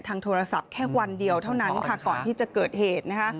ทางโทรศัพท์แค่วันเดียวเท่านั้นก่อนที่จะเกิดเหตุ